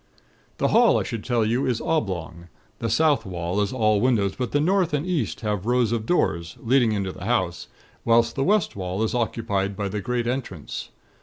"The hall I should tell you is oblong. The south wall is all windows; but the north and east have rows of doors, leading into the house, whilst the west wall is occupied by the great entrance.